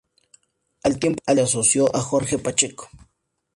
Al tiempo se asoció a Jorge Pacheco.